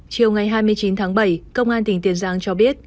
chiều ngày hai mươi chín tháng bảy công an tỉnh tiền giang cho biết